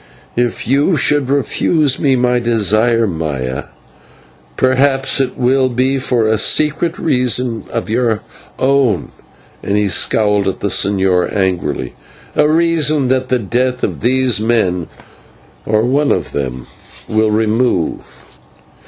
"If you should refuse me my desire, Maya, perhaps it will be for a secret reason of your own" and he scowled at the señor angrily "a reason that the death of these men, or of one of them, will remove."